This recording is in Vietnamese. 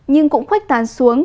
nhưng cũng khuếch tán xuống